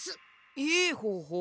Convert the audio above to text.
いいほうほう？